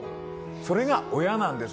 それが親なんです。